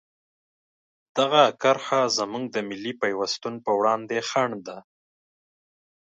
دغه کرښه زموږ د ملي پیوستون په وړاندې خنډ ده.